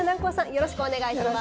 よろしくお願いします。